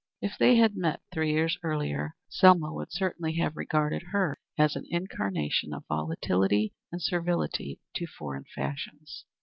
If they had met three years earlier Selma would certainly have regarded her as an incarnation of volatility and servility to foreign fashions.